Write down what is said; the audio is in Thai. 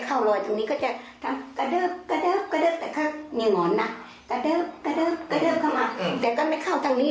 โอ้วโอ้วโอ้วโอ้วมาเข้าทางนี้